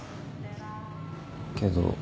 けど。